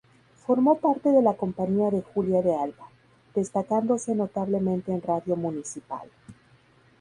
Formó parte de "La Compañía de Julia de Alba" destacándose notablemente en Radio Municipal.